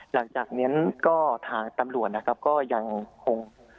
หลังจากนั้นก็ทางตำรวจนะครับก็ยังคง